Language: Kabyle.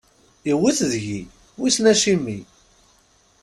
Iwwet deg-i, wissen acimi.